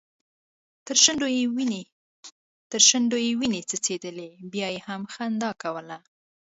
تر شونډو يې وينې څڅيدې بيا يې هم خندا کوله.